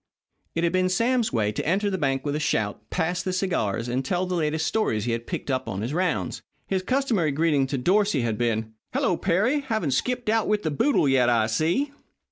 It had been Sam's way to enter the bank with a shout, pass the cigars, and tell the latest stories he had picked up on his rounds. His customary greeting to Dorsey had been, "Hello, Perry! Haven't skipped out with the boodle yet, I see."